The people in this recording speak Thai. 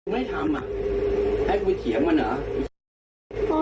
ไม่ทำให้คุณเขียนมันหรือ